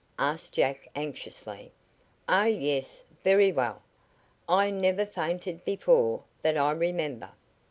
asked Jack anxiously. "Oh, yes. Very well. I never fainted before, that I remember."